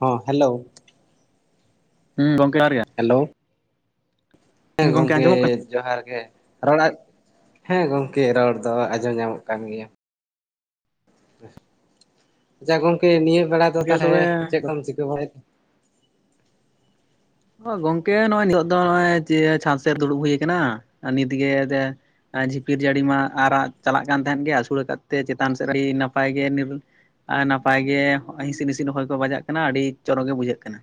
ᱦᱚᱸ ᱦᱮᱞᱳ ᱦᱩ ᱜᱚᱝᱠᱮ ᱠᱟᱨᱤᱭᱟ ᱦᱮᱞᱳ ᱦᱮᱸ ᱜᱚᱝᱠᱮ ᱟᱸᱡᱚᱢᱚᱜ ᱠᱟᱱᱟ ᱡᱚᱦᱟᱸᱨ ᱜᱮ ᱨᱚᱲᱟᱜ ᱦᱮᱸ ᱜᱚᱝᱠᱮ ᱨᱚᱲ ᱫᱚ ᱟᱸᱡᱚᱢ ᱧᱟᱢᱚᱜ ᱠᱟᱱ ᱜᱮᱭᱟ ᱡᱟ ᱜᱚᱝᱠᱮ ᱱᱤᱭᱟᱹ ᱵᱮᱲᱟ ᱟᱫᱚ ᱜᱚᱝᱠᱮ ᱛᱟᱦᱚᱞᱮ ᱛᱚᱵᱮ ᱪᱮᱫ ᱠᱚᱢ ᱪᱤᱠᱟᱹ ᱵᱟᱲᱟᱭᱟ ᱜᱚᱝᱠᱮ ᱱᱚᱜᱚᱭ ᱱᱤᱛᱳᱜ ᱫᱚ ᱱᱚᱜᱼᱚᱭ ᱡᱮ ᱪᱷᱟᱸᱫᱽ ᱥᱮ ᱫᱩᱲᱩᱵ ᱦᱩᱭ ᱠᱟᱱᱟ ᱱᱤᱛᱜᱮ ᱡᱷᱤᱯᱤᱨ ᱡᱟᱹᱲᱤ ᱢᱟ ᱟᱨᱟᱜ ᱪᱟᱞᱟᱜ ᱠᱟᱱ ᱛᱟᱦᱮᱸᱫ ᱜᱮ ᱟᱹᱥᱩᱲᱟ ᱟᱠᱟᱫ ᱛᱮ ᱪᱮᱛᱟᱱ ᱥᱮᱫ ᱟᱹᱰᱤ ᱱᱟᱯᱟᱭ ᱜᱮ ᱟᱨ ᱱᱟᱯᱟᱭ ᱜᱮ ᱦᱤᱸᱥᱤᱫ ᱦᱤᱸᱥᱤᱫ ᱦᱚᱭ ᱠᱚ ᱵᱟᱡᱟᱜ ᱠᱟᱱᱟ ᱟᱹᱰᱤ ᱪᱚᱨᱚᱠ ᱜᱮ ᱵᱩᱡᱷᱟᱹᱜ ᱠᱟᱱᱟ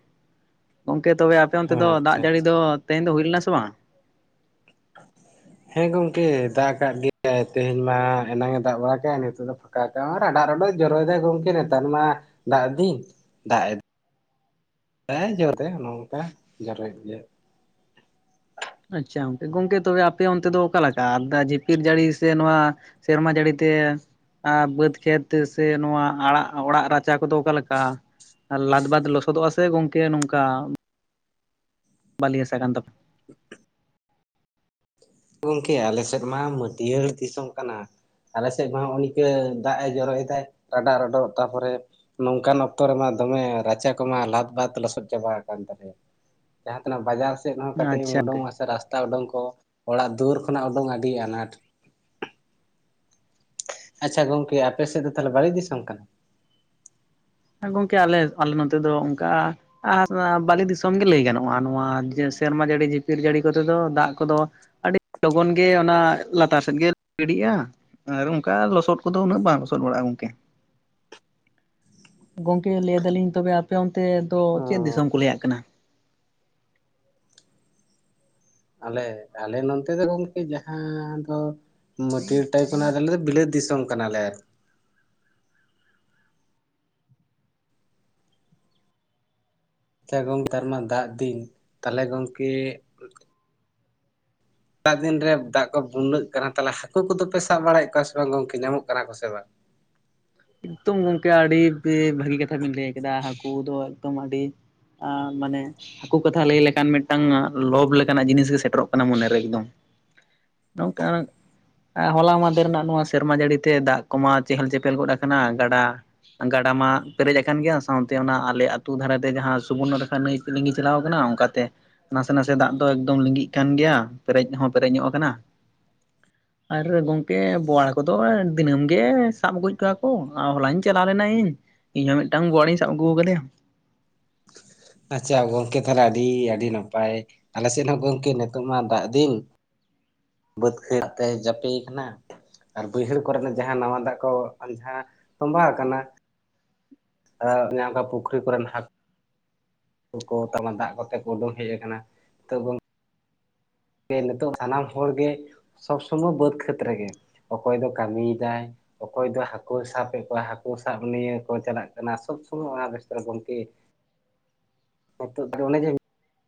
ᱜᱚᱝᱠᱮ ᱛᱚᱵᱮ ᱟᱯᱮ ᱚᱱᱛᱮ ᱫᱚ ᱫᱟᱜ ᱟᱪᱪᱷᱟ ᱡᱟᱹᱲᱤ ᱟᱪᱪᱷᱟ ᱫᱚ ᱛᱮᱦᱮᱧ ᱫᱚ ᱦᱩᱭ ᱞᱮᱱᱟ ᱥᱮ ᱵᱟᱝ ᱦᱮᱸ ᱜᱚᱝᱠᱮ ᱫᱟᱜ ᱠᱟᱜ ᱜᱮᱭᱟᱭ ᱛᱮᱦᱮᱧ ᱢᱟ ᱮᱱᱟᱝ ᱮ ᱫᱟᱜ ᱵᱟᱲᱟ ᱠᱮᱜᱟ ᱱᱤᱛᱳᱜ ᱫᱚ ᱯᱷᱟ ᱱᱚᱜᱚᱭ ᱨᱟᱰᱟ ᱨᱚᱰᱚ ᱡᱚᱨᱚᱭ ᱮᱫᱟᱭ ᱜᱚᱝᱠᱮ ᱱᱮᱛᱟᱨ ᱢᱟ ᱫᱟᱜ ᱫᱤᱧ ᱫᱟᱜ ᱮᱫ ᱦᱮᱸ ᱡᱚᱨᱛᱮ ᱱᱚᱝᱠᱟ ᱡᱚᱨᱚᱭ ᱜᱮᱭᱟ ᱟᱪᱪᱷᱟ ᱜᱚᱝᱠᱮ ᱜᱚᱝᱠᱮ ᱛᱚᱵᱮ ᱟᱯᱮ ᱚᱱᱛᱮ ᱫᱚ ᱚᱠᱟ ᱞᱮᱠᱟ ᱟᱨ ᱡᱤᱯᱤᱨ ᱡᱟᱹᱲᱤ ᱥᱮ ᱱᱚᱣᱟ ᱥᱮᱨᱢᱟ ᱡᱟᱹᱲᱤ ᱛᱮ ᱵᱟᱹᱫᱽ ᱠᱷᱮᱛ ᱥᱮ ᱱᱚᱣᱟ ᱟᱲᱟᱜ ᱚᱲᱟᱜ ᱨᱟᱪᱟ ᱠᱚᱫᱚ ᱚᱠᱟ ᱞᱮᱠᱟ ᱞᱟᱫᱵᱟᱫᱽ ᱞᱚᱥᱚᱫᱚᱜᱼᱟ ᱥᱮ ᱜᱚᱝᱠᱮ ᱱᱚᱝᱠᱟ ᱵᱟᱹᱞᱤ ᱦᱟᱥᱟ ᱠᱟᱱ ᱛᱟᱯᱮ ᱜᱚᱢᱠᱮ ᱟᱞᱮ ᱥᱮᱫ ᱢᱟ ᱢᱟᱹᱴᱤᱭᱟᱹᱲ ᱫᱤᱥᱚᱢ ᱠᱟᱱᱟ ᱟᱞᱮ ᱥᱮᱜ ᱢᱟ ᱦᱚᱜᱼᱚ ᱱᱤᱝᱠᱟᱹ ᱫᱟᱜ ᱮ ᱡᱚᱨᱚᱭ ᱮᱫᱟᱭ ᱨᱟᱰᱟᱜ ᱨᱟᱰᱚᱜ ᱛᱟᱨᱯᱚᱨᱮ ᱱᱚᱝᱠᱟᱱ ᱚᱠᱛᱚ ᱨᱮᱢᱟ ᱫᱚᱢᱮ ᱨᱟᱪᱟ ᱠᱚᱢᱟ ᱞᱟᱫᱵᱟᱫᱽ ᱞᱚᱥᱚᱫ ᱪᱟᱵᱟ ᱟᱠᱟᱱ ᱛᱟᱞᱮᱭᱟ ᱡᱟᱦᱟᱸ ᱛᱤᱱᱟᱹᱜ ᱵᱟᱡᱟᱨ ᱥᱮᱫ ᱦᱚᱸ ᱠᱟᱹᱴᱤᱡ ᱟᱪᱪᱷᱟ ᱮᱢ ᱜᱚᱝᱠᱮ ᱩᱰᱩᱝᱚᱜᱼᱟ ᱥᱮ ᱨᱟᱥᱛᱟ ᱳᱰᱳᱝ ᱠᱚ ᱚᱲᱟᱜ ᱫᱩᱣᱟᱹᱨ ᱠᱷᱚᱱᱟᱜ ᱳᱰᱳᱝ ᱟᱹᱰᱤ ᱟᱱᱟᱴ ᱟᱪᱪᱷᱟ ᱜᱚᱝᱠᱮ ᱟᱯᱮ ᱥᱮᱫ ᱫᱚ ᱛᱟᱦᱚᱞᱮ ᱵᱟᱹᱞᱤ ᱫᱤᱥᱚᱢ ᱠᱟᱱᱟ? ᱦᱮᱸ ᱜᱚᱝᱠᱮ ᱟᱞᱮ ᱟᱞᱮ ᱱᱚᱛᱮ ᱫᱚ ᱚᱱᱠᱟ, ᱟᱨ ᱵᱟᱹᱞᱤ ᱫᱤᱥᱚᱢ ᱜᱮ ᱞᱟᱹᱭ ᱜᱟᱱᱚᱜᱼᱟ, ᱱᱚᱣᱟ ᱥᱮᱨᱢᱟ ᱡᱟᱹᱲᱤ ᱡᱷᱤᱯᱤᱨ ᱡᱟᱹᱲᱤ ᱠᱚᱛᱮ ᱫᱚ ᱫᱟᱜ ᱠᱚᱫᱚ, ᱟᱹᱰᱤ ᱞᱚᱜᱚᱱ ᱜᱮ ᱚᱱᱟ ᱞᱟᱛᱟᱨ ᱥᱮᱫ ᱜᱮ ᱜᱤᱰᱤᱜᱼᱟ ᱾ ᱟᱨ ᱚᱱᱠᱟ ᱞᱚᱥᱚᱫ ᱠᱚᱫᱚ ᱩᱱᱟᱹᱜ ᱵᱟᱝ ᱞᱚᱥᱚᱫ ᱵᱟᱲᱟᱜᱼᱟ ᱜᱚᱝᱠᱮ, ᱜᱚᱝᱠᱮ ᱞᱟᱹᱭ ᱫᱟᱞᱤᱧ ᱛᱚᱵᱮ ᱟᱯᱮ ᱚᱱᱛᱮ ᱫᱚ ᱪᱮᱫ ᱫᱤᱥᱚᱢ ᱠᱚ ᱞᱟᱹᱭᱟᱜ ᱠᱟᱱᱟ? ᱟᱞᱮ ᱟᱞᱮ ᱱᱚᱱᱛᱮ ᱫᱚ ᱜᱚᱢᱠᱮ ᱡᱟᱸᱦᱟ ᱫᱚ, ᱢᱟᱹᱴᱤᱭᱟᱹᱲ ᱴᱟᱭᱤᱯ ᱚᱱᱟ ᱟᱞᱮ ᱫᱚ ᱵᱤᱞᱟᱹᱛ ᱫᱤᱥᱚᱢ ᱠᱟᱱᱟ ᱞᱮ ᱟᱨ ᱟᱪᱪᱷᱟ ᱜᱚᱢᱠᱮ ᱱᱮᱛᱟᱨᱢᱟ ᱫᱟᱜ ᱫᱤᱱ ᱛᱟᱦᱚᱞᱮ ᱜᱚᱢᱠᱮ, ᱫᱟᱜ ᱫᱤᱱ ᱨᱮ ᱫᱟᱜ ᱠᱚ ᱵᱩᱱᱱᱟᱹᱜ ᱠᱟᱱᱟ ᱛᱟᱦᱚᱞᱮ ᱦᱟᱹᱠᱩ ᱠᱚᱫᱚ ᱯᱮ ᱥᱟᱵ ᱵᱟᱲᱟᱭᱮᱜ ᱠᱚᱣᱟ ᱥᱮ ᱵᱟᱝ ᱜᱚᱝᱠᱮ ᱧᱟᱢᱚᱜ ᱠᱟᱱᱟ ᱠᱚ ᱥᱮ ᱵᱟᱝ? ᱮᱠᱫᱚᱢ ᱜᱚᱝᱠᱮ ᱟᱹᱰᱤ ᱵᱷᱟᱹᱜᱤ ᱠᱟᱛᱷᱟ ᱵᱤᱱ ᱞᱟᱹᱭ ᱠᱮᱫᱟ ᱦᱟᱹᱠᱩ ᱫᱚ ᱮᱠᱫᱚᱢ ᱟᱹᱰᱤ, ᱟᱸ ᱢᱟᱱᱮ, ᱦᱟᱹᱠᱩ ᱠᱟᱛᱷᱟ ᱞᱟᱹᱭ ᱞᱮᱠᱷᱟᱱ ᱢᱤᱫᱴᱟᱝ ᱞᱚᱵ ᱞᱮᱠᱟᱱᱟᱜ ᱡᱤᱱᱤᱥ ᱜᱮ ᱥᱮᱴᱮᱨᱚᱜ ᱠᱟᱱᱟ ᱢᱚᱱᱮᱨᱮ ᱮᱠᱫᱚᱢ ᱾ ᱱᱚᱝᱠᱟᱱ ᱦᱚᱞᱟ ᱢᱟᱫᱷᱮᱨ ᱨᱮᱱᱟᱜ ᱱᱚᱣᱟ ᱥᱮᱨᱢᱟ ᱡᱟᱹᱲᱤ ᱛᱮ ᱫᱟᱜ ᱠᱚᱢᱟ ᱪᱮᱦᱮᱞ ᱪᱮᱯᱮᱞ ᱜᱚᱫ ᱠᱟᱱᱟ ᱜᱟᱰᱟ ᱾ ᱜᱟᱰᱟ ᱢᱟ ᱯᱮᱨᱮᱡ ᱟᱠᱟᱱ ᱜᱮᱭᱟ, ᱥᱟᱶᱛᱮ ᱚᱱᱟ ᱟᱞᱮ ᱟᱹᱛᱩ ᱫᱷᱟᱨᱮᱛᱮ ᱡᱟᱦᱟᱸ ᱥᱩᱵᱚᱨᱱᱚᱨᱮᱠᱷᱟ ᱱᱟᱹᱭ, ᱞᱤᱸᱜᱤ ᱪᱟᱞᱟᱣ ᱟᱠᱟᱱᱟ ᱚᱱᱠᱟᱛᱮ, ᱱᱟᱥᱮ ᱱᱟᱥᱮ ᱫᱟᱜ ᱫᱚ ᱮᱠᱫᱚᱢ ᱞᱤᱸᱜᱤᱜ ᱠᱟᱱ ᱜᱮᱭᱟ ᱯᱮᱨᱮᱡ ᱦᱚᱸ ᱯᱮᱨᱮᱡᱧᱚᱜ ᱟᱠᱟᱱᱟ ᱾ ᱟᱨ ᱜᱚᱢᱠᱮ ᱵᱳᱣᱟᱲ ᱦᱟᱠᱳ ᱫᱚ ᱫᱤᱱᱟᱹᱢ ᱜᱮ ᱥᱟᱵ ᱟᱜᱩᱭᱮᱜ ᱠᱚᱣᱟ ᱠᱚ ᱦᱚᱞᱟᱧ ᱪᱟᱞᱟᱣ ᱞᱮᱱᱟ ᱤᱧ ᱤᱧ ᱦᱚᱸ ᱢᱤᱫᱴᱟᱝ ᱜᱳᱣᱟᱲ ᱤᱧ ᱥᱟᱵ ᱟᱹᱜᱩ ᱟᱠᱟᱫᱮᱭᱟ ᱾ ᱟᱪᱪᱷᱟ ᱜᱚᱢᱠᱮ ᱛᱟᱦᱚᱞᱮ ᱟᱹᱰᱤ ᱟᱹᱰᱤ ᱱᱟᱯᱟᱭ, ᱟᱞᱮᱥᱮᱫ ᱦᱚᱸ ᱜᱚᱢᱠᱮ ᱱᱤᱛᱚᱜ ᱢᱟ ᱫᱟᱜ ᱫᱤᱱ, ᱵᱟᱹᱛ ᱠᱷᱮᱛ ᱛᱮ ᱪᱟᱯᱮᱭ ᱠᱟᱱᱟ ᱾ ᱟᱨ ᱵᱟᱹᱭᱦᱟᱹᱲ ᱠᱚᱨᱮᱱᱟᱜ ᱡᱟᱦᱟᱸ ᱱᱟᱣᱟ ᱫᱟᱜ ᱠᱚ ᱡᱟᱸᱦᱟ ᱛᱚᱵᱟᱣ ᱟᱠᱟᱱᱟ ᱾ [unintelligible] ᱯᱩᱠᱷᱨᱤ ᱠᱚᱨᱮᱱ ᱦᱟᱸ ᱦᱟᱠᱩ ᱠᱚ ᱛᱟᱨᱢᱟᱱᱮ ᱫᱟᱜ ᱠᱚᱛᱮ ᱠᱚ ᱩᱰᱩᱝ ᱦᱮᱡ ᱟᱠᱟᱱᱟ ᱛᱚ ᱜᱚᱝ ᱡᱮ ᱱᱤᱛᱚᱜ ᱥᱟᱱᱟᱢ ᱦᱚᱲ ᱜᱮ ᱥᱚᱵ ᱥᱚᱢᱚᱭ ᱵᱟᱹᱫᱽ ᱠᱷᱮᱛ ᱨᱮᱜᱮ ᱚᱠᱚᱭ ᱫᱚ ᱠᱟᱹᱢᱤᱭ ᱮᱫᱟᱭ, ᱚᱠᱚᱭ ᱫᱚ ᱦᱟᱹᱠᱳᱭ ᱥᱟᱵᱮᱜ ᱠᱚᱣᱟ ᱦᱟᱹᱠᱳ ᱥᱟᱵ ᱱᱤᱭᱮ ᱠᱚ ᱪᱟᱞᱟᱜ ᱠᱟᱱᱟ ᱥᱚᱵ ᱥᱚᱢᱚᱭ ᱚᱱᱟ ᱵᱮᱥᱛᱚ ᱨᱮ ᱜᱚᱝᱠᱮ, [unintelligible] ᱚᱱᱟ ᱡᱮ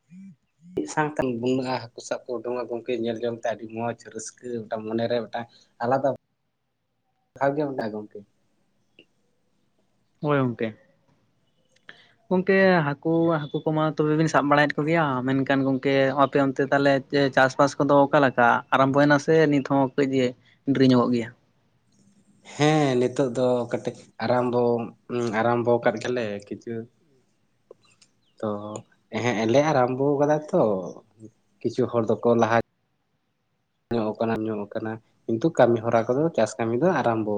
[inaudible] ᱢᱤᱫ ᱥᱟᱶᱛᱮ ᱜᱚᱝᱦᱟ, ᱦᱟᱹᱠᱩ ᱥᱟᱵ ᱠᱚ ᱩᱰᱩᱝᱼᱟ ᱜᱚᱢᱠᱮ ᱧᱮᱞ ᱡᱚᱝ ᱛᱮ ᱟᱹᱰᱤ ᱢᱚᱡᱽ ᱨᱟᱹᱥᱠᱟᱹ ᱢᱤᱫᱴᱟᱝ ᱢᱚᱱᱮᱨᱮ ᱢᱤᱫᱴᱟᱝ, ᱟᱞᱟᱫᱟ ᱾ ᱮᱠᱟᱞ ᱜᱮ ᱢᱮᱱᱟᱜᱼᱟ ᱜᱚᱢᱠᱮ, ᱦᱳᱭ ᱜᱚᱝᱠᱮ ᱾ [inaudible] ᱜᱚᱝᱠᱮ ᱦᱟᱹᱠᱩ ᱦᱟᱹᱠᱩ ᱠᱚᱢᱟ ᱛᱚᱵᱮ ᱵᱤᱱ ᱥᱟᱵ ᱵᱟᱲᱟᱭᱮᱫ ᱠᱚ ᱜᱮᱭᱟ ᱢᱮᱱᱠᱷᱟᱱ ᱜᱚᱢᱠᱮ ᱟᱯᱮ ᱚᱱᱛᱮ ᱛᱟᱦᱚᱞᱮ, ᱡᱮ ᱪᱟᱥᱵᱟᱥ ᱠᱚᱫᱚ ᱚᱠᱟ ᱞᱮᱠᱟ ᱟᱨᱟᱢᱵᱚᱭ ᱱᱟᱥᱮ ᱱᱤᱛ ᱦᱚᱸ ᱠᱟᱹᱡ ᱰᱮᱨᱤᱧᱚᱜᱚᱜ ᱜᱮᱭᱟ? ᱦᱮᱸ ᱱᱤᱛᱚᱜ ᱫᱚ ᱠᱟᱹᱴᱤᱡ ᱟᱨᱟᱢᱵᱚ ᱟᱨᱟᱢᱵᱚ ᱠᱟᱫ ᱜᱮᱭᱟᱞᱮ ᱠᱤᱪᱷᱩ, ᱛᱚ ᱦᱮᱸᱜ ᱮ ᱞᱮ ᱟᱨᱟᱢᱵᱚ ᱠᱟᱫᱟ ᱛᱚ, ᱠᱤᱪᱷᱩ ᱦᱚᱲ ᱫᱚᱠᱚ ᱞᱟᱦᱟ ᱧᱚᱜ ᱠᱟᱱᱟ ᱧᱚᱜ ᱠᱟᱱᱟ ᱠᱤᱱᱛᱩ ᱠᱟᱹᱢᱤ ᱦᱚᱨᱟ ᱠᱚᱫᱚ ᱪᱟᱥ ᱠᱟᱹᱢᱤ ᱫᱚ ᱟᱨᱟᱢᱵᱚ,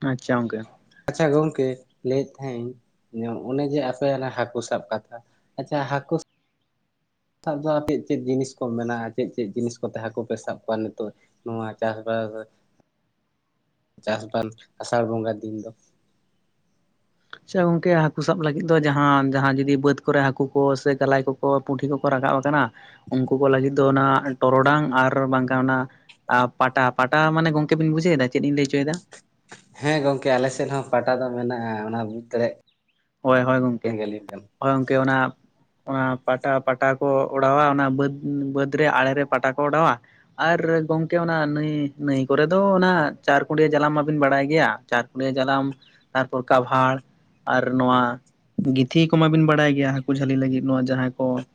ᱟᱪᱪᱷᱟ ᱜᱚᱝᱠᱮ, ᱟᱪᱪᱷᱟ ᱜᱚᱝᱠᱮ ᱞᱟᱹᱭᱮᱫ ᱛᱟᱦᱤᱧ ᱚᱱᱮ ᱡᱮ ᱟᱥᱮ ᱦᱟᱹᱠᱩ ᱥᱟᱵ ᱠᱟᱛᱷᱟ ᱟᱪᱪᱷᱟ ᱦᱟᱹᱠᱩ, ᱥᱟᱵ ᱫᱚ ᱟᱯᱮᱭᱟᱜ ᱪᱮᱫ ᱪᱮᱫ ᱡᱤᱱᱤᱥ ᱠᱚ ᱢᱮᱱᱟᱜᱼᱟ ᱪᱮᱫ ᱪᱮᱫ ᱡᱤᱱᱤᱥ ᱠᱚ ᱛᱮ ᱦᱟᱹᱠᱚᱯᱮ ᱥᱟᱵ ᱠᱚᱣᱟ ᱱᱤᱛᱚᱜ, ᱱᱚᱣᱟ ᱪᱟᱥᱵᱟᱥ ᱪᱟᱥᱵᱟᱥ ᱟᱥᱟᱲ ᱵᱚᱸᱜᱟ ᱫᱤᱱ ᱫᱚ ᱾ ᱟᱪᱪᱷᱟ ᱜᱚᱝᱠᱮ ᱦᱟᱹᱠᱩ ᱥᱟᱵ ᱞᱟᱹᱜᱤᱫ ᱫᱚ ᱡᱟᱸᱦᱟ ᱡᱟᱸᱦᱟ ᱡᱩᱫᱤ ᱵᱟᱹᱫᱽ ᱠᱚᱨᱮ ᱦᱟᱹᱠᱩ ᱠᱚ ᱥᱮ ᱜᱟᱞᱟᱭ ᱠᱚᱠᱚ ᱯᱩᱸᱴᱷᱤ ᱠᱚᱠᱚ ᱨᱟᱠᱟᱵ ᱠᱟᱱᱟ, ᱩᱱᱠᱩ ᱠᱚ ᱞᱟᱹᱜᱤᱫ ᱫᱚ ᱚᱱᱟ ᱴᱚᱨᱚᱰᱟᱝ ᱟᱨ ᱵᱟᱝᱠᱷᱟᱱ ᱚᱱᱟ ᱯᱟᱴᱟ ᱯᱟᱴᱟ ᱢᱟᱱᱮ ᱜᱚᱝᱠᱮ ᱵᱤᱱ ᱵᱩᱡᱷᱟᱹᱣᱫᱟ ᱢᱟᱱᱮ ᱪᱮᱫ ᱤᱧ ᱞᱟᱹᱭ ᱦᱚᱪᱚᱭᱮᱫᱟ ᱾ ᱦᱮᱸ ᱜᱚᱢᱠᱮ ᱟᱞᱮᱥᱮᱫ ᱦᱚᱸ ᱯᱟᱴᱟ ᱫᱚ ᱢᱮᱱᱟᱜᱼᱟ ᱚᱱᱟ ᱵᱩᱡᱽᱫᱟᱲᱮᱭᱟᱜ, ᱦᱳᱭ ᱦᱳᱭ ᱜᱚᱢᱠᱮ ᱦᱳᱭ ᱜᱚᱢᱠᱮ ᱚᱱᱟ ᱚᱱᱟ ᱯᱟᱴᱟ ᱯᱟᱴᱟ ᱠᱚ ᱚᱰᱟᱣᱟ ᱚᱱᱟ ᱵᱟᱹᱫᱽ ᱵᱟᱹᱫᱽ ᱨᱮ ᱟᱲᱮᱨᱮ ᱯᱟᱴᱟ ᱠᱚ ᱚᱰᱟᱣᱟ ᱟᱨ ᱜᱚᱢᱠᱮ ᱚᱱᱟ ᱱᱟᱹᱭ ᱱᱟᱹᱭ ᱠᱚᱨᱮ ᱫᱚ ᱚᱱᱟ ᱪᱟᱨᱠᱩᱰᱤᱭᱟᱹ ᱡᱟᱞᱟᱢ ᱢᱟᱵᱤᱱ ᱵᱟᱲᱟᱭ ᱜᱮᱭᱟ᱾ ᱪᱟᱨᱯᱮ ᱡᱟᱞᱟᱢ ᱛᱟᱨᱯᱚᱨ ᱠᱟᱵᱷᱟᱲ ᱟᱨ ᱱᱚᱣᱟ ᱜᱤᱛᱷᱤ ᱠᱚᱢᱟᱵᱤᱱ ᱵᱟᱲᱟᱭ ᱜᱮᱭᱟ ᱦᱟᱹᱠᱩ ᱡᱷᱟᱹᱞᱤ ᱞᱟᱹᱜᱤᱫ ᱱᱚᱣᱟ ᱡᱟᱦᱟᱸᱭ ᱠᱚ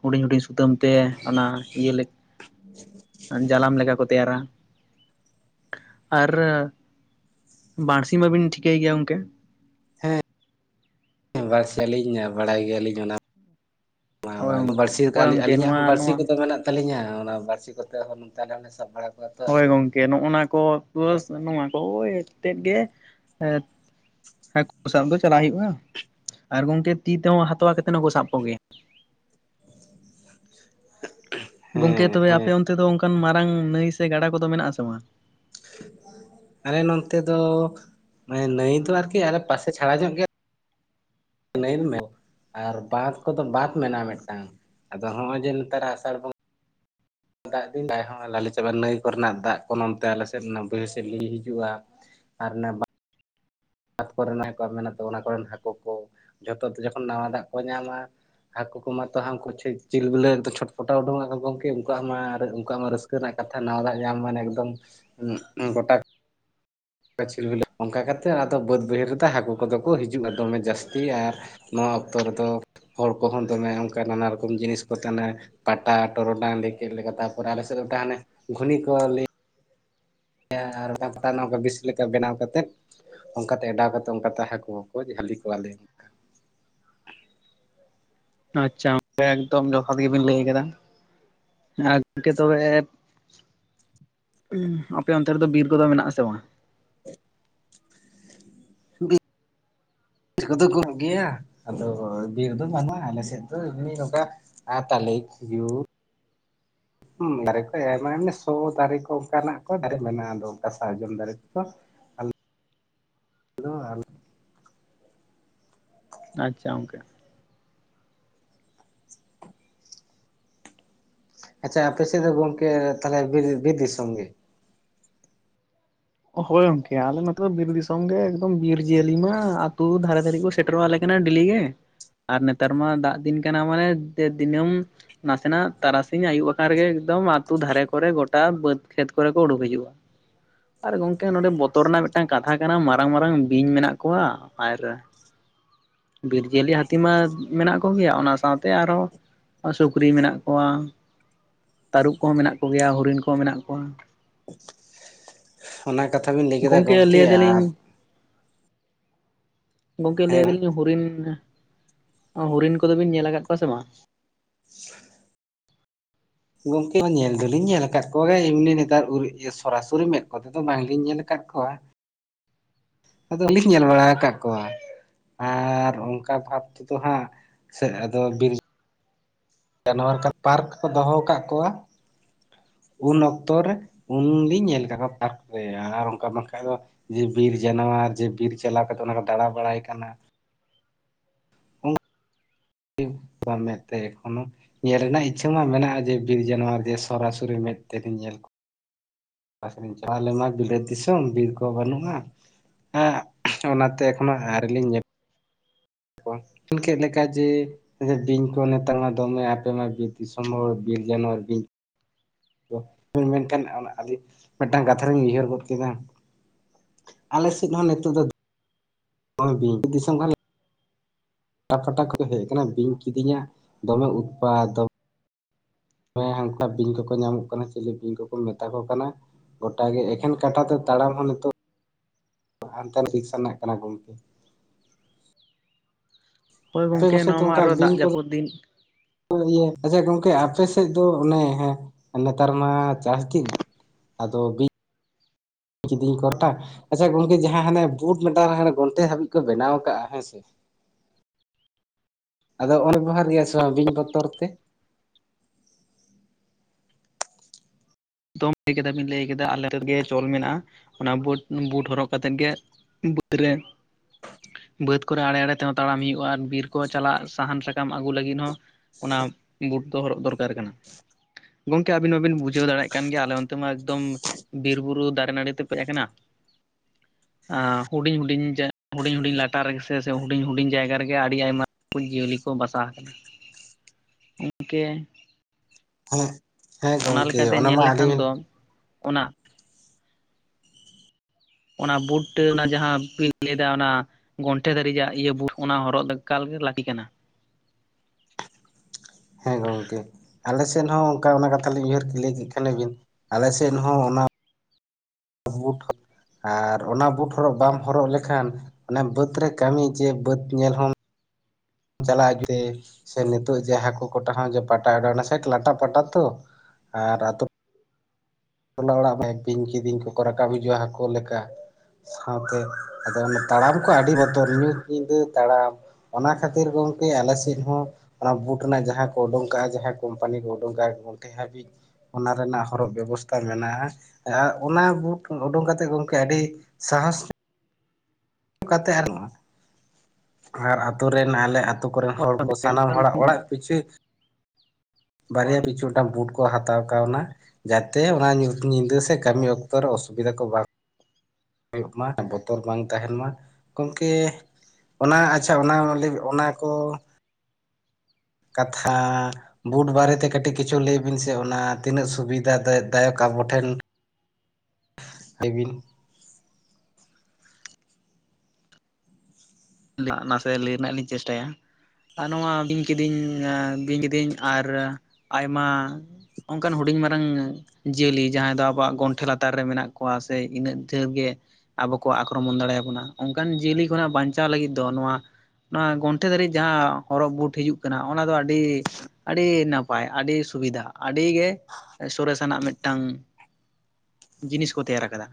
ᱦᱩᱰᱤᱧ ᱦᱩᱰᱤᱧ ᱥᱩᱛᱟᱹᱢ ᱛᱮ ᱚᱱᱟ ᱤᱭᱟᱹ ᱞᱮ ᱡᱟᱞᱟᱢ ᱞᱮᱠᱟ ᱠᱚ ᱛᱮᱭᱟᱨᱟ᱾ ᱟᱨ ᱵᱟᱲᱥᱤ ᱢᱟᱵᱤᱱ ᱴᱷᱤᱠᱟᱹᱭ ᱜᱮᱭᱟ ᱜᱚᱝᱠᱮ ᱦᱮᱸ ᱵᱟᱲᱥᱤ ᱞᱤᱧ ᱵᱟᱲᱟᱭ ᱜᱮᱭᱟ ᱞᱤᱧ ᱚᱱᱟ ᱵᱟᱝ ᱦᱳᱭ ᱵᱟᱝ ᱜᱚᱝᱠᱮ ᱵᱟᱹᱲᱥᱤ ᱦᱳᱭ ᱜᱚᱝᱠᱮ ᱟᱹᱞᱤᱧᱟᱜ ᱱᱚᱣᱟ ᱦᱚᱸ ᱵᱟᱹᱲᱥᱤ ᱱᱚᱣᱟ ᱠᱚᱫᱚ ᱢᱮᱱᱟᱜ ᱛᱟᱞᱤᱧᱟ ᱚᱱᱟ ᱵᱟᱹᱲᱥᱤ ᱠᱚᱛᱮ ᱦᱚᱸ ᱱᱚᱛᱮ ᱟᱞᱮ ᱦᱚᱸᱞᱮ ᱥᱟᱵ ᱵᱟᱲᱟ ᱠᱚᱣᱟ᱾ ᱛᱚ ᱦᱳᱭ ᱦᱟᱹᱠᱩ ᱜᱚᱢᱠᱮ ᱱᱚᱜᱼᱱᱟ ᱠᱚ ᱠᱚᱫᱚ ᱯᱟᱥ ᱱᱚᱣᱟ ᱠᱚ ᱳᱭᱛᱮᱫ ᱜᱮ ᱦᱟᱹᱠᱩ ᱥᱟᱵ ᱫᱚ ᱪᱟᱞᱟᱣ ᱦᱩᱭᱩᱜᱼᱟ ᱟᱨ ᱜᱚᱝᱠᱮ ᱛᱤ ᱛᱮᱦᱚᱸ ᱦᱟᱛᱣᱟ ᱠᱟᱛᱮ ᱦᱚᱸᱠᱚ ᱥᱟᱵ ᱠᱚᱜᱮᱭᱟ᱾ ᱜᱚᱝᱠᱮ ᱦᱮᱸ ᱛᱚᱵᱮ ᱟᱯᱮ ᱦᱮᱸ ᱚᱱᱛᱮ ᱫᱚ ᱚᱱᱠᱟᱱ ᱢᱟᱨᱟᱝ ᱱᱟᱹᱭ ᱥᱮ ᱜᱟᱰᱟ ᱠᱚᱫᱚ ᱢᱮᱱᱟᱜ ᱟᱥᱮ ᱵᱟᱝ? ᱟᱞᱮ ᱱᱚᱱᱛᱮ ᱫᱚ ᱢᱟᱱᱮ ᱱᱟᱹᱭ ᱫᱚ ᱟᱨᱠᱤ ᱟᱞᱮ ᱯᱟᱥᱮ ᱪᱷᱟᱲᱟ ᱧᱚᱜ ᱜᱮᱭᱟ ᱱᱟᱹᱭ ᱮᱢ ᱢᱮᱱ ᱟᱨ ᱵᱟᱸᱫ ᱠᱚᱫᱚ ᱵᱟᱸᱫ ᱢᱮᱱᱟᱜᱼᱟ ᱢᱤᱫᱴᱟᱝ᱾ᱟᱫᱚ ᱦᱚᱸᱜᱼᱚᱭ ᱡᱮ ᱱᱮᱛᱟᱨᱟᱜ ᱟᱥᱟᱲ ᱵᱚᱸᱜᱟ ᱫᱟᱜ ᱫᱤᱱ ᱫᱟᱭ ᱦᱚᱸ ᱞᱟᱞᱮ ᱪᱟᱵᱟᱜᱼᱟ ᱱᱟᱹᱭ ᱠᱚᱨᱮᱱᱟᱜ ᱫᱟᱜ ᱠᱚ ᱱᱚᱱᱚᱢᱛᱮ ᱟᱞᱮ ᱥᱮᱫ ᱵᱟᱹᱭᱦᱟᱹᱲ ᱥᱮᱫ ᱞᱤᱸᱡᱤ ᱦᱤᱡᱩᱜᱼᱟ᱾ ᱟᱨ ᱚᱱᱟ ᱵᱟᱹᱱ ᱵᱟᱛ ᱠᱚᱨᱮᱱᱟᱜ ᱠᱚ ᱢᱮᱱᱟᱜ ᱛᱟᱵᱚᱱᱟ ᱚᱱᱟᱠᱚᱨᱮᱱ ᱦᱟᱹᱠᱳ ᱠᱚ ᱡᱷᱚᱛᱚ ᱡᱚᱠᱷᱚᱱ ᱱᱟᱣᱟ ᱫᱟᱜ ᱠᱚ ᱧᱟᱢᱟ ᱦᱟᱹᱠᱳ ᱠᱚᱢᱟᱛᱚ ᱦᱟᱱᱠᱩ ᱪᱤᱞ ᱵᱤᱞᱮ ᱪᱚᱴᱯᱚᱴᱟᱣ ᱩᱰᱩᱠ ᱟᱠᱟ ᱜᱚᱢᱠᱮ ᱩᱱᱠᱩᱣᱟᱜ ᱢᱟ ᱟᱨ ᱩᱱᱠᱩᱣᱟᱜ ᱢᱟ ᱨᱟᱹᱥᱠ ᱨᱮᱱᱟᱜ ᱠᱟᱛᱷᱟ ᱱᱟᱣᱟ ᱫᱟᱜ ᱧᱟᱢ ᱢᱟᱱᱮ ᱮᱠᱫᱚᱢ ᱜᱚᱴᱟ ᱜ ᱪᱷᱤᱞ ᱵᱤᱞᱟᱹᱜ᱾ᱚᱱᱠᱟ ᱠᱟᱛᱮᱫ ᱟᱫᱚ ᱵᱟᱹᱫᱽ ᱵᱟᱹᱭᱦᱟᱹᱲ ᱨᱮᱫᱚ ᱦᱟᱹᱠᱳ ᱠᱚᱫᱚ ᱠᱚ ᱦᱤᱡᱩᱜᱼᱟ ᱫᱚᱢᱮ ᱡᱟᱹᱥᱛᱤ ᱟᱨ ᱱᱚᱣᱟ ᱚᱠᱛᱚ ᱨᱮᱫᱚ ᱦᱚᱲ ᱠᱚᱦᱚᱸ ᱫᱚᱢᱮ ᱚᱱᱠᱟ ᱱᱟᱱᱟ ᱨᱚᱠᱚᱢ ᱡᱤᱱᱤᱥ ᱠᱚ ᱯᱟᱴᱟ ᱴᱚᱨᱚᱰᱟᱝ ᱞᱮ ᱠᱮᱫ ᱞᱮᱠᱟ ᱛᱟᱨᱯᱚᱨ ᱟᱞᱮᱥᱮᱫ ᱫᱚ ᱦᱟᱱᱮ ᱜᱷᱩᱱᱤ ᱠᱚ ᱟᱨ ᱯᱟᱴᱟ [inaudible] ᱵᱮᱥ ᱞᱮᱠᱟ ᱵᱮᱱᱟᱣ ᱠᱟᱛᱮᱫ ᱚᱱᱠᱟᱛᱮ ᱚᱰᱟᱣ ᱠᱟᱛᱮ ᱚᱱᱠᱟᱛᱮ ᱦᱟᱠᱳ ᱦᱚᱸᱠᱚ ᱡᱟᱹᱞᱤ ᱠᱚᱣᱟᱞᱮ᱾ ᱟᱪᱪᱷᱟ᱾ ᱮᱠᱫᱚᱢ ᱡᱚᱛᱷᱟᱛ ᱜᱮ ᱵᱤᱱ ᱞᱟᱹᱭ ᱠᱟᱫᱟ ᱟ ᱜᱚᱢᱠᱮ ᱛᱚᱵᱮ ᱟᱯᱮ ᱚᱱᱛᱮ ᱨᱮᱫᱚ ᱵᱤᱨ ᱠᱚᱫᱚ ᱢᱮᱱᱟᱜ ᱟᱥᱮ ᱵᱟᱝ? [unintelligible] ᱵᱤᱨ ᱠᱚᱫᱚ ᱠᱚᱢᱚᱜ ᱜᱮᱭᱟ ᱟᱫᱚ ᱵᱤᱨ ᱫᱚ ᱵᱟᱹᱱᱩᱜᱼᱟ ᱟᱞᱮ ᱥᱮᱫ ᱫᱚ ᱮᱢᱱᱤ ᱱᱚᱝᱠᱟ ᱟᱨ ᱛᱟᱞᱮ ᱠᱷᱤᱡᱩᱨ ᱦᱮᱸ ᱫᱟᱨᱮ ᱠᱚ ᱟᱭᱢᱟ ᱥᱚ ᱫᱟᱨᱮ ᱠᱚ ᱚᱱᱠᱟᱱᱟᱜ ᱠᱚ ᱫᱟᱨᱮ ᱢᱮᱱᱟᱜᱼᱟ ᱟᱫᱚ ᱚᱱᱠᱟ ᱥᱟᱨᱡᱚᱢ ᱫᱟᱨᱮ ᱠᱚᱫᱚ ᱦᱮᱞᱳ ᱟᱪᱪᱷᱟ ᱜᱚᱝᱠᱮ ᱟᱪᱪᱷᱟ ᱟᱯᱮ ᱥᱮᱫ ᱫᱚ ᱜᱚᱝᱠᱮ ᱛᱟᱦᱚᱞᱮ ᱵᱤᱨ ᱵᱤᱨ ᱫᱤᱥᱚᱢ ᱜᱮ ᱦᱳᱭ ᱜᱚᱝᱠᱮ ᱟᱞᱮ ᱱᱚᱛᱮ ᱫᱚ ᱵᱤᱨ ᱫᱤᱥᱚᱢ ᱜᱮ ᱮᱠᱫᱚᱢ ᱵᱤᱨ ᱡᱤᱭᱟᱹᱞᱤ ᱢᱟ ᱟᱹᱛᱩ ᱫᱷᱟᱨᱮ ᱫᱷᱟᱨᱮ ᱠᱚ ᱥᱮᱴᱮᱨᱟᱞᱮ ᱠᱟᱱᱟ ᱰᱮᱞᱤ ᱜᱮ ᱟᱨ ᱱᱮᱛᱟᱨ ᱢᱟ ᱫᱟᱜ ᱫᱤᱱ ᱠᱟᱱᱟ ᱢᱟᱱᱮ ᱫᱤᱱᱟᱹᱢ ᱱᱟᱥᱮᱱᱟᱜ ᱛᱟᱨᱟᱥᱤᱧ ᱟᱹᱭᱩᱵ ᱟᱠᱟᱱ ᱨᱮᱜᱮ ᱮᱠᱫᱚᱢ ᱟᱹᱛᱩ ᱫᱷᱟᱨᱮ ᱠᱚᱨᱮ ᱜᱚᱴᱟ ᱵᱟᱹᱫᱽ ᱠᱷᱮᱛ ᱠᱚᱨᱮ ᱠᱚ ᱩᱰᱩᱠ ᱦᱤᱡᱩᱜᱼᱟ᱾ ᱟᱨ ᱜᱚᱝᱠᱮ ᱱᱚᱰᱮ ᱵᱚᱛᱚᱨ ᱨᱮᱱᱟᱜ ᱢᱤᱫᱴᱟᱝ ᱠᱟᱛᱷᱟ ᱠᱟᱱᱟ ᱢᱟᱨᱟᱝ ᱢᱟᱨᱟᱝ ᱵᱤᱧ ᱢᱮᱱᱟᱜ ᱠᱚᱣᱟ ᱟᱨ ᱵᱤᱨ ᱡᱤᱭᱟᱹᱞᱤ ᱦᱟᱹᱛᱤ ᱢᱟ ᱢᱮᱱᱟᱜ ᱠᱚᱜᱮᱭᱟ ᱚᱱᱟ ᱥᱟᱶᱛᱮ ᱟᱨᱦᱚᱸ ᱟᱨ ᱥᱩᱠᱨᱤ ᱢᱮᱱᱟᱜ ᱠᱚᱣᱟ, ᱛᱟᱹᱨᱩᱵ ᱠᱚᱦᱚᱸ ᱢᱮᱱᱟᱜ ᱠᱚᱜᱮᱭᱟ, ᱦᱚᱨᱤᱱ ᱠᱚᱦᱚᱸ ᱢᱮᱱᱟᱜ ᱠᱚᱣᱟ᱾ ᱚᱱᱟ ᱠᱟᱛᱷᱟ ᱵᱤᱱ ᱞᱟᱹᱭ ᱠᱮᱫᱟ ᱜᱚᱝᱠᱮ ᱜᱚᱢᱠᱮ ᱞᱟᱹᱭ ᱟᱨ ᱫᱟᱞᱤᱧ ᱜᱚᱝᱠᱮ ᱞᱟᱹᱭ ᱦᱮᱸ ᱫᱟᱞᱤᱧ ᱦᱚᱨᱤᱱ, ᱦᱚᱨᱤᱱ ᱠᱚᱫᱚᱵᱤᱱ ᱧᱮᱞ ᱟᱠᱟᱫ ᱠᱚᱣᱟ ᱥᱮ ᱵᱟᱝ? ᱜᱚᱝᱠᱮ ᱧᱮᱞ ᱫᱚᱞᱤᱧ ᱧᱮᱞ ᱟᱠᱟᱫ ᱠᱚᱣᱟ ᱜᱮ ᱮᱢᱱᱤ ᱱᱮᱛᱟᱨ ᱥᱚᱨᱟᱥᱚᱨᱤ ᱢᱮᱫ ᱠᱚᱛᱮ ᱫᱚ ᱵᱟᱝᱞᱤᱧ ᱧᱮᱞ ᱟᱠᱟᱫ ᱠᱚᱣᱟ᱾ ᱟᱫᱚᱞᱤᱧ ᱧᱮᱞ ᱵᱟᱲᱟ ᱟᱠᱟᱫ ᱠᱚᱣᱟ᱾ ᱟᱨ ᱚᱱᱠᱟ ᱵᱷᱟᱵᱽ ᱛᱮᱫᱚ ᱦᱟᱸᱜ ᱥᱮ ᱟᱫᱚ ᱵᱤᱨ ᱡᱟᱱᱣᱟᱨ ᱠᱷᱟᱱ ᱯᱟᱨᱠ ᱠᱚ ᱫᱚᱦᱚ ᱠᱟᱜ ᱠᱚᱣᱟ᱾ ᱩᱱ ᱚᱠᱛᱚ ᱨᱮ ᱩᱱᱞᱤᱧ ᱧᱮᱞ ᱟᱠᱟᱫ ᱠᱚᱣᱟ ᱯᱟᱨᱠ ᱨᱮ ᱟᱨ ᱚᱱᱠᱟ ᱵᱟᱝᱠᱟᱱ ᱫᱚ ᱡᱮ ᱵᱤᱨ ᱡᱟᱱᱣᱟᱨ ᱡᱮ ᱵᱤᱨ ᱪᱟᱞᱟᱣ ᱠᱟᱛᱮᱜ ᱚᱱᱟ ᱠᱚ ᱫᱟᱬᱟ ᱵᱟᱲᱟᱭ ᱠᱟᱱᱟ᱾ ᱵᱟᱝ ᱢᱮᱫ ᱛᱮ ᱮᱠᱷᱚᱱᱳ ᱧᱮᱞ ᱨᱮᱱᱟᱜ ᱤᱪᱪᱷᱟᱹ ᱢᱟ ᱢᱮᱱᱟᱜᱼᱟ ᱡᱮ ᱵᱤᱨ ᱡᱟᱱᱣᱟᱨ ᱡᱮ ᱥᱚᱨᱟᱥᱚᱨᱤ ᱢᱮᱸᱫ ᱛᱮᱜᱤᱧ ᱧᱮᱞ ᱠᱚᱣᱟ [unintelligible] ᱪᱟᱞᱟᱣ ᱟᱞᱮᱢᱟ ᱵᱤᱞᱟᱹᱛ ᱫᱤᱥᱚᱢ ᱵᱤᱨ ᱠᱚ ᱵᱟᱹᱱᱩᱜᱼᱟ ᱦᱮ ᱚᱱᱟᱛᱮ ᱮᱠᱷᱚᱱᱳ ᱟᱹᱣᱨᱤ ᱞᱤᱧ ᱧᱮᱞ [inaudible] ᱞᱮᱠᱟ ᱡᱮ ᱵᱤᱧ ᱠᱚ ᱱᱮᱛᱟᱨ ᱢᱟ ᱫᱚᱢᱮ ᱟᱯᱮ ᱢᱟ ᱵᱤᱨ ᱫᱤᱥᱚᱢ ᱦᱚᱲ ᱦᱚᱲ ᱵᱤᱨ ᱡᱟᱱᱣᱟᱨ ᱵᱤᱧ ᱢᱮᱱᱠᱷᱟᱱ ᱚᱱᱟ ᱟᱹᱰᱤ ᱢᱤᱫᱴᱟᱝ ᱠᱟᱛᱷᱟ ᱨᱤᱧ ᱩᱭᱦᱟᱹᱨ ᱜᱚᱫ ᱠᱮᱫᱟ ᱟᱞᱮ ᱥᱮᱫ ᱦᱚᱸ ᱱᱤᱛᱚᱜ ᱫᱚ ᱫᱤᱥᱚᱢ ᱠᱟᱱ ᱯᱟᱴᱟ ᱯᱷᱟᱴᱟ ᱠᱚ ᱦᱮᱡ ᱟᱠᱟᱱᱟ ᱵᱤᱧ ᱠᱤᱫᱤᱧ ᱟᱜ ᱫᱚᱢᱮ ᱩᱛᱯᱟᱛ ᱫᱚᱢᱮ ᱦᱮᱸ ᱦᱟᱱᱠᱟ ᱵᱤᱧ ᱠᱚᱠᱚ ᱧᱟᱢᱚᱜ ᱠᱟᱱᱟ ᱪᱤᱞᱤ ᱵᱤᱧ ᱠᱚᱠᱚ ᱢᱮᱛᱟ ᱠᱚ ᱠᱟᱱᱟ ᱜᱚᱴᱟᱜᱮ ᱮᱠᱷᱮᱱ ᱠᱟᱴᱟᱛᱮ ᱛᱟᱲᱟᱢ ᱦᱚ ᱱᱤᱛᱚᱜ [inaudible] ᱨᱮᱱᱟᱜ ᱠᱟᱱᱟ ᱜᱚᱝᱠᱮ ᱦᱳᱭ ᱟᱯᱮ ᱜᱚᱝᱠᱮ ᱠᱚᱥᱮᱫ ᱱᱚᱣᱟ ᱫᱚ ᱢᱟ ᱚᱱᱠᱟ ᱟᱨᱚ ᱫᱟᱜ ᱵᱤᱧ ᱠᱚᱫᱚ ᱡᱟᱹᱯᱩᱫ ᱫᱤᱱ ᱤᱭᱟᱹ ᱟᱪᱪᱷᱟ ᱜᱚᱝᱠᱮ ᱟᱯᱮ ᱥᱮᱫ ᱫᱚ ᱚᱱᱮ ᱦᱮᱸ ᱞᱮᱛᱟᱨ ᱢᱟ ᱪᱟᱥ ᱫᱤᱱ ᱟᱫᱚ ᱵᱤᱧ ᱠᱤᱫᱤᱧ ᱠᱚᱴᱟ ᱟᱪᱪᱷᱟ ᱜᱚᱝᱠᱮ ᱡᱟᱦᱟᱸ ᱦᱟᱱᱮ ᱵᱳᱴ ᱢᱮᱴᱟᱝ ᱟᱱᱮ ᱜᱚᱱᱴᱮ ᱦᱟᱹᱵᱤᱡ ᱠᱚ ᱵᱮᱱᱟᱣ ᱟᱠᱟᱜᱼᱟ ᱦᱮᱸ ᱥᱮ ᱟᱫᱚ ᱚᱱᱟ ᱵᱮᱵᱷᱟᱨ ᱦᱩᱭᱩᱜᱼᱟ ᱥᱮ ᱵᱟᱝ ᱵᱤᱧ ᱵᱚᱛᱚᱨ ᱛᱮ ᱫᱚ ᱞᱟᱹᱭ ᱠᱮᱫᱟ ᱵᱤᱱ ᱞᱟᱹᱭ ᱠᱮᱫᱟ ᱟᱞᱮᱫ ᱜᱮ ᱪᱚᱞ ᱢᱮᱱᱟᱜᱼᱟ ᱚᱱᱟ ᱵᱩᱴ ᱵᱩᱴ ᱦᱚᱨᱚᱜ ᱠᱟᱛᱮᱫ ᱜᱮ ᱵᱟᱹᱛ ᱨᱮ ᱵᱟᱹᱫᱽ ᱠᱚᱨᱮ ᱟᱲᱮ ᱟᱲᱮ ᱛᱮᱦᱚᱸ ᱛᱟᱲᱟᱢ ᱦᱩᱭᱩᱜᱼᱟ ᱟᱨ ᱵᱤᱨ ᱠᱚ ᱪᱟᱞᱟᱜ ᱥᱟᱦᱟᱱ ᱥᱟᱠᱟᱢ ᱟᱹᱜᱩ ᱞᱟᱹᱜᱤᱫ ᱦᱚᱸ ᱚᱱᱟ ᱵᱩᱴ ᱫᱚ ᱦᱚᱨᱚᱜ ᱫᱚᱨᱠᱟᱨ ᱠᱟᱱᱟ ᱜᱚᱝᱠᱮ ᱟᱹᱵᱤᱱ ᱢᱟᱵᱤᱱ ᱵᱩᱡᱷᱟᱹᱣ ᱫᱟᱲᱮᱭᱟᱜ ᱠᱟᱱᱟ ᱠᱟᱱ ᱜᱮᱭᱟ ᱟᱞᱮ ᱚᱱᱛᱮ ᱢᱟ ᱮᱠᱫᱚᱢ ᱵᱤᱨ ᱵᱩᱨᱩ ᱫᱟᱨᱮ ᱱᱟᱹᱲᱤ ᱛᱮ ᱯᱮᱨᱮᱡ ᱠᱟᱱᱟ [inaudible] ᱦᱩᱰᱤᱧ ᱦᱩᱰᱤᱧ ᱦᱩᱰᱤᱧ ᱦᱩᱰᱤᱧ ᱞᱟᱴᱟ ᱨᱮᱜᱮ ᱥᱮ ᱦᱩᱰᱤᱧ ᱦᱩᱰᱤᱧ ᱡᱟᱭᱜᱟ ᱨᱮᱜᱮ ᱟᱹᱰᱤ ᱟᱭᱢᱟ ᱡᱤᱭᱟᱹᱞᱤ ᱠᱚ ᱵᱟᱥᱟ ᱦᱟᱠᱟᱱᱟ ᱦᱮᱸ ᱦᱮᱸ ᱚᱱᱟ ᱜᱚᱝᱠᱮ ᱞᱮᱠᱟᱛᱮ ᱧᱮᱞ ᱢᱟ ᱞᱮᱠᱷᱟᱱ ᱟᱹᱞᱤᱧ ᱫᱚ ᱚᱱᱟ ᱚᱱᱟ ᱵᱩᱴ ᱴᱟ ᱚᱱᱟ ᱡᱟᱦᱟᱸ ᱵᱤᱱ ᱞᱟᱹᱭ ᱫᱟ ᱚᱱᱟ ᱜᱚᱱᱴᱷᱮ ᱫᱷᱟᱨᱤᱡ ᱟᱜ ᱤᱭᱟᱹ ᱵᱩᱴ ᱚᱱᱟ ᱦᱚᱨᱚᱜ ᱫᱚ ᱮᱠᱟᱞ ᱜᱮ ᱞᱟᱹᱠᱛᱤ ᱠᱟᱱᱟ ᱦᱮᱸ ᱜᱚᱝᱠᱮ ᱟᱞᱮ ᱥᱮᱫ ᱦᱚᱸ ᱚᱱᱠᱟ ᱚᱱᱟ ᱠᱟᱛᱷᱟ ᱞᱤᱧ ᱩᱭᱦᱟᱹᱨ ᱞᱟᱹᱭ ᱠᱮᱫ ᱠᱷᱟᱱᱵᱤᱱ ᱟᱞᱮᱥᱮᱫ ᱦᱚᱸ ᱚᱱᱟ ᱵᱩᱴ ᱟᱨ ᱚᱱᱟ ᱵᱩᱴ ᱦᱚᱨᱚᱜ ᱵᱟᱢ ᱦᱚᱨᱚᱜ ᱞᱮᱠᱷᱟᱱ ᱚᱱᱟ ᱵᱟᱹᱫᱽ ᱨᱮ ᱠᱟᱹᱢᱤ ᱡᱮ ᱵᱟᱹᱫᱽ ᱧᱮᱞ ᱦᱚᱸ ᱪᱟᱞᱟᱜᱼᱟ ᱛᱮ ᱥᱮ ᱱᱤᱛᱚᱜ ᱡᱮ ᱦᱟᱹᱠᱩ ᱠᱳᱴᱟ ᱦᱚᱸᱡᱮ ᱯᱟᱴᱟ ᱥᱮ ᱞᱟᱴᱟ ᱯᱟᱴᱟ ᱛᱚ ᱟᱨ ᱴᱚᱞᱟ ᱚᱲᱟᱜ ᱢᱟ ᱵᱤᱧ ᱠᱤᱫᱤᱧ ᱠᱚᱠᱚ ᱨᱟᱠᱟᱵ ᱦᱤᱡᱩᱜᱼᱟ ᱦᱟᱹᱠᱳ ᱞᱮᱠᱟ ᱥᱟᱶᱛᱮ ᱟᱫᱚ ᱚᱱᱟ ᱛᱟᱲᱟᱢ ᱠᱚ ᱟᱹᱰᱤ ᱵᱚᱛᱚᱨ ᱧᱩᱛ ᱧᱤᱫᱟᱹ ᱛᱟᱲᱟᱢ ᱚᱱᱟ ᱠᱷᱟᱹᱛᱤᱨ ᱜᱚᱝᱠᱮ ᱟᱞᱮ ᱥᱮᱫ ᱦᱚᱸ ᱚᱱᱟ ᱵᱩᱴ ᱨᱮᱱᱟᱜ ᱡᱟᱦᱟᱸ ᱠᱚ ᱳᱰᱳᱝ ᱠᱟᱜᱼᱟ ᱡᱟᱦᱟᱸ ᱠᱳᱢᱯᱟᱱᱤ ᱠᱚ ᱳᱰᱳᱝ ᱠᱟᱜᱼᱟ ᱛᱮ ᱦᱟᱹᱵᱤᱡ ᱚᱱᱟ ᱨᱮᱱᱟᱜ ᱦᱚᱨᱚᱜ ᱵᱮᱵᱚᱥᱛᱷᱟ ᱛᱟ ᱢᱮᱱᱟᱜᱼᱟ ᱚᱱᱟ ᱵᱩᱴ ᱩᱰᱩᱝ ᱠᱟᱛᱮᱫ ᱜᱚᱝᱠᱮ ᱟᱹᱰᱤ ᱥᱟᱦᱚᱥ ᱧᱚᱜ ᱠᱟᱛᱮ ᱟᱨᱚ ᱟᱨ ᱟᱹᱛᱳ ᱨᱮᱱ ᱟᱞᱮ ᱟᱛᱳ ᱠᱚᱨᱮᱱ ᱦᱚᱲ ᱠᱚ ᱥᱟᱱᱟᱢ ᱦᱚᱲᱟᱜ ᱚᱲᱟᱜ ᱯᱤᱪᱷᱩ ᱵᱟᱨᱭᱟ ᱯᱤᱪᱷᱩᱴᱟᱝ ᱵᱩᱴ ᱠᱚ ᱦᱟᱛᱟᱣ ᱠᱟᱣᱱᱟ ᱡᱟᱛᱮ ᱚᱱᱟ ᱧᱩᱛ ᱧᱤᱫᱟᱹ ᱥᱮ ᱠᱟᱹᱢᱤ ᱚᱠᱛᱚ ᱨᱮ ᱚᱥᱩᱵᱤᱫᱟ ᱠᱚ ᱵᱟᱝ ᱦᱩᱭᱩᱜ ᱢᱟ ᱵᱚᱛᱚᱨ ᱵᱟᱝ ᱛᱟᱦᱮᱱ ᱢᱟ ᱜᱚᱢᱠᱮ ᱚᱱᱟ ᱟᱪᱪᱷᱟ ᱚᱱᱟ [unintelligible] ᱚᱱᱟ ᱠᱚ ᱠᱟᱛᱷᱟ ᱵᱩᱴ ᱵᱟᱨᱮᱛᱮ ᱠᱟᱹᱴᱤᱡ ᱠᱤᱪᱷᱩ ᱞᱟᱹᱭ ᱵᱤᱱ ᱥᱮ ᱚᱱᱟ ᱛᱤᱱᱟᱹᱜ ᱥᱩᱵᱤᱫᱷᱟ ᱫᱟᱭᱚᱠ ᱟᱵᱚ ᱴᱷᱮᱱ ᱞᱟᱹᱭ ᱵᱤᱱ ᱱᱟᱥᱮ ᱞᱟᱹᱭ ᱨᱮᱱᱟᱜ ᱞᱤᱧ ᱪᱮᱥᱴᱟᱭᱼᱟ᱾ ᱟᱨ ᱱᱚᱣᱟ ᱵᱤᱧ ᱠᱤᱫᱤᱧ ᱵᱤᱧ ᱠᱤᱫᱟᱹᱧ ᱟᱨ ᱟᱭᱢᱟ ᱚᱱᱠᱟᱱ ᱦᱩᱰᱤᱧ ᱢᱟᱨᱟᱝ ᱡᱤᱭᱟᱹᱞᱤ ᱡᱟᱦᱟᱸᱭ ᱫᱚ ᱟᱵᱚᱣᱟᱜ ᱜᱚᱱᱴᱷᱮ ᱞᱟᱛᱟᱨ ᱨᱮ ᱢᱮᱱᱟᱜ ᱠᱚᱣᱟ ᱥᱮ ᱤᱱᱟᱹᱜ ᱡᱷᱮᱨ ᱜᱮ ᱟᱵᱚ ᱠᱚ ᱟᱠᱨᱚᱢᱚᱱ ᱫᱟᱲᱮᱭᱟᱵᱚᱱᱟ ᱚᱱᱠᱟᱱ ᱡᱤᱭᱟᱹᱞᱤ ᱠᱷᱚᱱᱟᱜ ᱵᱟᱧᱪᱟᱣ ᱞᱟᱹᱜᱤᱫ ᱫᱚ ᱱᱚᱣᱟ ᱱᱚᱣᱟ ᱜᱚᱱᱴᱷᱮ ᱫᱷᱟᱹᱨᱤᱡ ᱡᱟᱦᱟᱸ ᱦᱚᱨᱚᱜ ᱵᱩᱴ ᱦᱤᱡᱩᱜ ᱠᱟᱱᱟ ᱚᱱᱟ ᱫᱚ ᱟᱹᱰᱤ ᱟᱹᱰᱤ ᱱᱟᱯᱟᱭ ᱟᱹᱰᱤ ᱥᱩᱵᱤᱫᱟᱜᱼᱟ ᱟᱹᱰᱤ ᱜᱮ ᱥᱚᱨᱮᱥᱟᱱᱟᱜ ᱢᱤᱫᱴᱟᱝ ᱡᱤᱱᱤᱥ ᱠᱚ ᱛᱮᱭᱟᱨ ᱠᱟᱫᱟ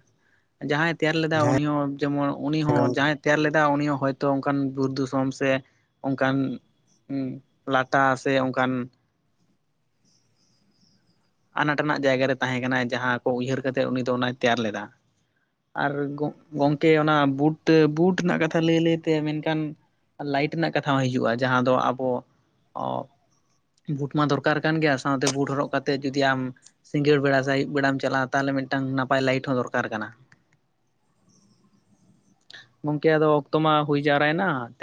ᱡᱟᱦᱟᱸᱭ ᱛᱮᱭᱟᱨ ᱞᱮᱫᱟ ᱦᱮᱸ ᱩᱱᱤ ᱦᱚᱸ ᱡᱮᱢᱚᱱ ᱩᱱᱤ ᱦᱚᱸ ᱜᱚᱝᱠᱮ ᱡᱟᱦᱟᱸᱭ ᱛᱮᱭᱟᱨ ᱞᱮᱫᱟ ᱩᱱᱤ ᱦᱚᱸ ᱦᱳᱭᱛᱳ ᱚᱱᱠᱟᱱ ᱵᱩᱨᱩ ᱫᱤᱥᱚᱢ ᱥᱮ ᱚᱱᱠᱟᱱ ᱦᱩ ᱞᱟᱴᱟ ᱥᱮ ᱚᱱᱠᱟᱱ [inaudible] ᱟᱱᱟᱴ ᱨᱮᱱᱟᱜ ᱡᱟᱭᱜᱟᱨᱮ ᱛᱟᱦᱮᱸ ᱠᱟᱱᱟᱭ ᱡᱟᱦᱟᱸ ᱠᱚ ᱩᱭᱦᱟᱹᱨ ᱠᱟᱛᱮᱫ ᱩᱱᱤ ᱫᱚ ᱚᱱᱟᱭ ᱛᱮᱭᱟᱨ ᱞᱮᱫᱟ ᱟᱨ ᱜᱚᱝᱠᱮ ᱚᱱᱟ ᱵᱩᱴ ᱵᱩᱴ ᱨᱮᱱᱟᱜ ᱠᱟᱛᱷᱟ ᱞᱟᱹᱭ ᱞᱟᱹᱭ ᱢᱮᱱᱠᱷᱟᱱ ᱞᱟᱭᱤᱴ ᱨᱮᱱᱟᱜ ᱠᱟᱛᱷᱟ ᱦᱚᱸ ᱦᱤᱡᱩᱜᱼᱟ ᱡᱟᱦᱟᱸ ᱫᱚ ᱟᱵᱚ ᱵᱩᱴ ᱢᱟ ᱫᱚᱨᱠᱟᱨ ᱠᱟᱱ ᱜᱮᱭᱟ ᱥᱟᱶᱛᱮ ᱵᱩᱴ ᱦᱚᱨᱚᱜ ᱠᱟᱛᱮᱫ ᱡᱩᱫᱤ ᱟᱢ ᱥᱤᱸᱜᱟᱹᱲ ᱵᱮᱲᱟ ᱥᱮ ᱟᱹᱭᱩᱵ ᱵᱮᱲᱟᱢ ᱪᱟᱞᱟᱜᱼᱟ ᱛᱟᱦᱚᱞᱮ ᱢᱤᱫᱴᱟᱝ ᱱᱟᱯᱟᱭ ᱞᱟᱭᱤᱴ ᱦᱚᱸ ᱫᱚᱨᱠᱟᱨ ᱠᱟᱱᱟ [inaudible] ᱜᱚᱢᱠᱮ ᱟᱫᱚ ᱚᱠᱛᱚ ᱢᱟ ᱦᱩᱭ ᱡᱟᱨ